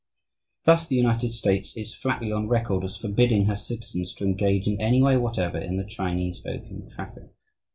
Thus the United States is flatly on record as forbidding her citizens to engage, in any way whatever, in the Chinese opium traffic.